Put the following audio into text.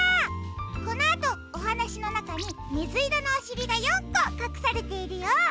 このあとおはなしのなかにみずいろのおしりが４こかくされているよ。